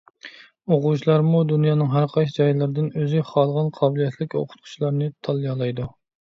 ئوقۇغۇچىلارمۇ دۇنيانىڭ ھەر قايسى جايلىرىدىن ئۆزى خالىغان قابىلىيەتلىك ئوقۇتقۇچىلارنى تاللىيالايدۇ.